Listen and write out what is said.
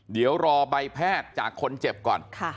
เดี๋ยวรอใบแพทย์จากคนเจ็บก่อน